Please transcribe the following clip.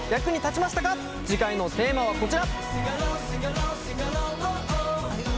次回のテーマはこちら！